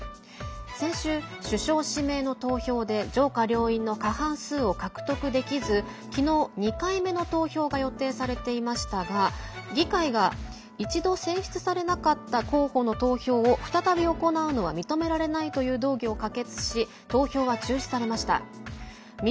先週、首相指名の投票で上下両院の過半数を獲得できず昨日２回目の投票が予定されていましたが議会が一度選出されなかった候補の投票を再び行うのは認められないという動議を可決し投票は中止されました。